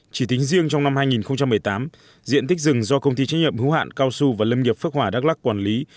chỉ tính riêng trong năm hai nghìn một mươi tám diện tích rừng do công ty trách nhiệm hữu hạn cao su và lâm nghiệp phước hòa đắk lắc quản lý